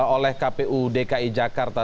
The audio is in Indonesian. oleh kpu dki jakarta